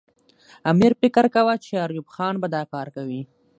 امیر فکر کاوه چې ایوب خان به دا کار کوي.